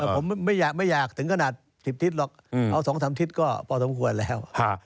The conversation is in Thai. ผมไม่อยากถึงขนาด๑๐ทิศหรอกเอา๒๓ทิศก็พอสมควรแล้ว